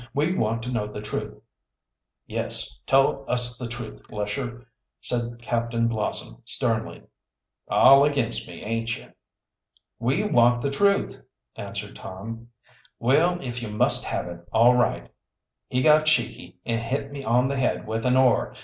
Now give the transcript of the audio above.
"We want to know the truth." "Yes, tell us the truth, Lesher," said Captain Blossom sternly. "All against me, aint you?" "We want the truth," answered Tom. "Well, if you must have it, all right. He got cheeky and hit me on the head with an oar.